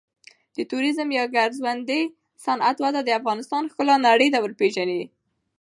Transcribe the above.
د توریزم یا ګرځندوی صنعت وده د افغانستان ښکلا نړۍ ته ورپیژني.